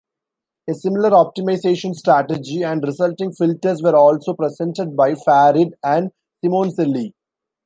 A similar optimization strategy and resulting filters were also presented by Farid and Simoncelli.